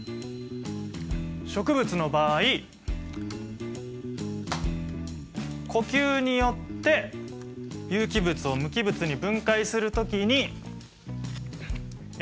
植物の場合呼吸によって有機物を無機物に分解する時にエネルギーが出る。